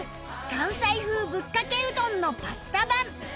関西風ぶっかけうどんのパスタ版